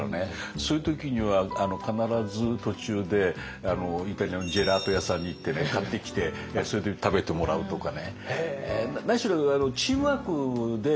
そういう時には必ず途中でイタリアのジェラート屋さんに行って買ってきてそれで食べてもらうとかね。